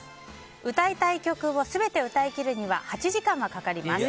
歌いたい曲を全て歌い切るには８時間はかかります。